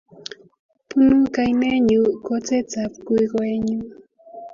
Bunu kainenyu kotetab kukoenyu